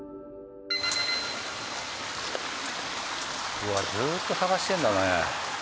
うわずっと探してるんだね。